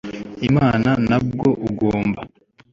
Imana na bwo ugomba